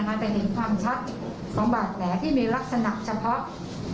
มันแจ้งเห็นความชัดของบัตรแหน่อที่มีลักษณะเฉพาะ